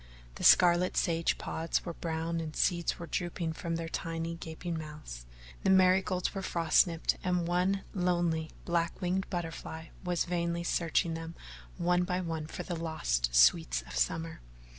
The scarlet sage pods were brown and seeds were dropping from their tiny gaping mouths. The marigolds were frost nipped and one lonely black winged butterfly was vainly searching them one by one for the lost sweets of summer.